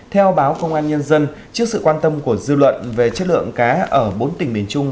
theo báo công an nhân dân trước sự quan tâm của dư luận về chất lượng cá ở bốn tỉnh miền trung